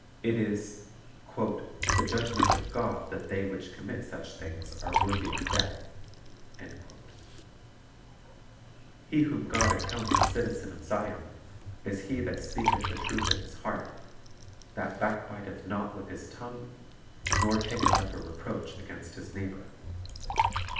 It is "the judgment of God, that they which commit such things are worthy of death." 1 He whom God accounts a citizen of Zion is he that "speaketh the truth in his heart;" "that backbiteth not with his tongue," "nor taketh up a reproach against his neighbor.""